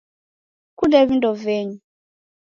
Sikunde vindo venyu